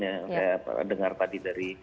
yang saya dengar tadi dari